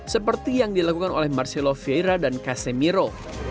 seperti yang dilakukan oleh marcelo vieira dan casemiro